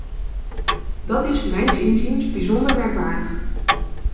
Dat is mijns inziens bijzonder merkwaardig.